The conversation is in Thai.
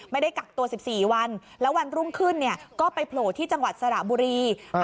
ไม่ได้กักตัว๑๔วันแล้ววันรุ่งขึ้นเนี่ยก็ไปโผล่ที่จังหวัดสระบุรี